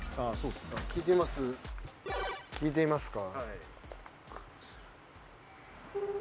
聞いてみますか。